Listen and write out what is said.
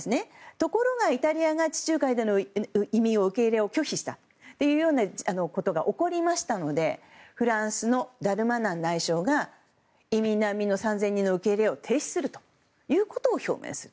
ところが、イタリアが地中海での移民受け入れを拒否したということが起こりましたのでフランスのダルマナン内相が移民・難民の３０００人の受け入れを停止するということを表明する。